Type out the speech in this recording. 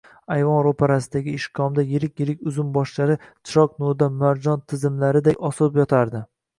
Аyvon roʼparasidagi ishkomda yirik-yirik uzum boshlari chiroq nurida marjon tizimlariday osilib yotardi.